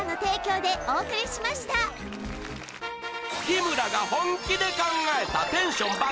日村が本気で考えたテンション爆